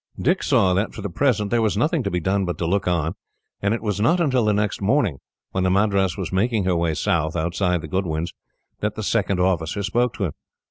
Dick saw that, for the present, there was nothing to be done but to look on, and it was not until the next morning, when the Madras was making her way south, outside the Goodwins, that the second officer spoke to him.